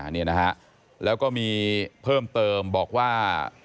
นี่นะฮะแล้วก็มีเพิ่มเติมบอกว่า